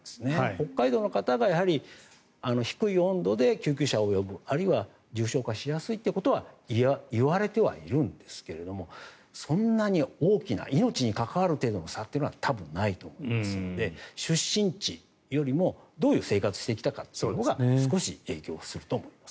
北海道の方が低い温度で救急車を呼ぶあるいは重症化しやすいということは言われてはいるんですがそんなに大きな命に関わる程度の差っていうのは多分ないと思いますので出身地よりも、どういう生活をしてきたかということが少し影響すると思います。